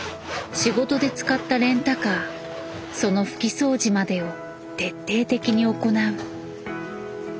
仕事で使ったレンタカーその拭き掃除までを徹底的に行う。